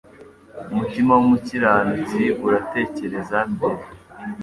Umutima w umukiranutsi uratekereza mbere